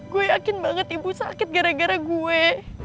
gue yakin banget ibu sakit gara gara gue